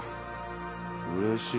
うれしい。